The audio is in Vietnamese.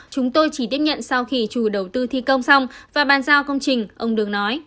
chúng tôi chỉ tiếp nhận sau khi chủ đầu tư thi công xong và bàn giao công trình ông đường nói